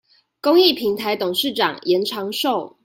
公益平臺董事長嚴長壽